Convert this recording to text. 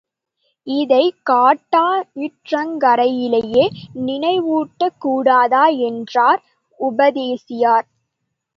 இதைக் காட்டாற்றங்கரையிலேயே நினைவூட்டக்கூடாதா? என்றார் உபதேசியார்.